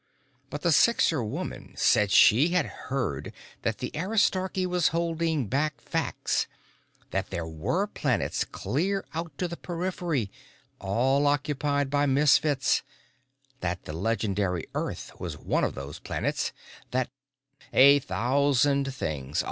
But the Sixer woman said she had heard that the Aristarchy was holding back facts; that there were planets clear out to the Periphery, all occupied by Misfits; that the legendary Earth was one of those planets; that A thousand things.